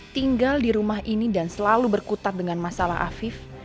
tinggal di rumah ini dan selalu berkutat dengan masalah afif